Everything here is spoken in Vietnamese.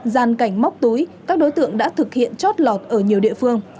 gian cảnh móc túi các đối tượng đã thực hiện chót lọt ở nhiều địa phương